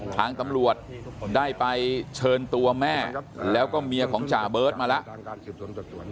ทางตำรวจได้ไปเชิญตัวแม่แล้วก็เมียของจ่าเบิร์ตมาแล้ว